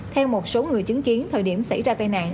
theo một số người chứng kiến thời điểm xảy ra tai nạn